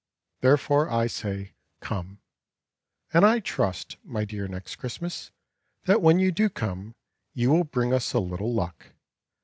Therefore, I say "Come," And I trust, my dear Next Christmas, That when you do come You will bring us a little luck.